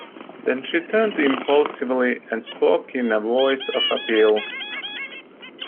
Then she turned impulsively and spoke in a voice of appeal.